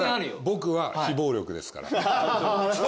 僕は非暴力ですから。